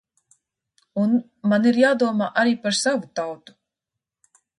Un man ir jādomā arī par savu tautu.